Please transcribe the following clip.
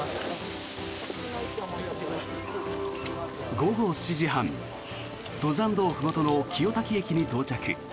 午後７時半登山道ふもとの清滝駅に到着。